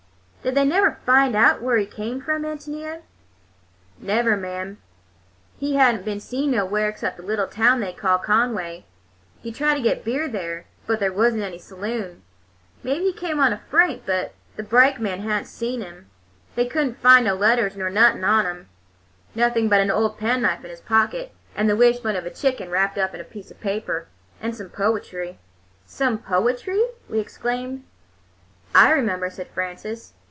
Did they never find out where he came from, Ántonia?" "Never, mam. He had n't been seen nowhere except in a little town they call Conway. He tried to get beer there, but there was n't any saloon. Maybe he came in on a freight, but the brakeman had n't seen him. They could n't find no letters nor nothing on him; nothing but an old penknife in his pocket and the wishbone of a chicken wrapped up in a piece of paper, and some poetry." "Some poetry?" we exclaimed. "I remember," said Frances.